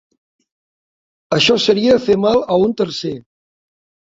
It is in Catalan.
Això seria fer mal a un tercer.